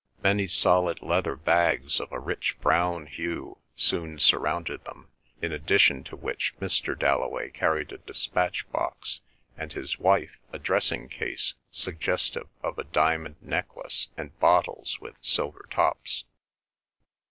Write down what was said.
Many solid leather bags of a rich brown hue soon surrounded them, in addition to which Mr. Dalloway carried a despatch box, and his wife a dressing case suggestive of a diamond necklace and bottles with silver tops.